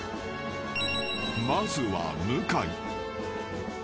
［まずは向井］